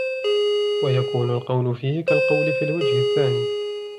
وَيَكُونُ الْقَوْلُ فِيهِ كَالْقَوْلِ فِي الْوَجْهِ الثَّانِي